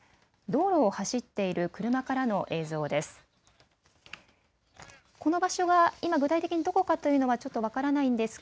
道路を走っている車からの映像です。